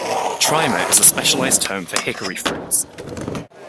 "Tryma" is a specialized term for hickory fruits.